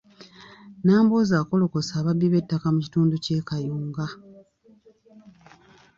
Nambooze akolokose ababbi b’ettaka mu kitundu ky’e Kayunga.